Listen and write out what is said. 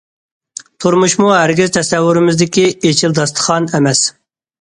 تۇرمۇشمۇ ھەرگىز تەسەۋۋۇرىمىزدىكى‹‹ ئېچىل داستىخان›› ئەمەس.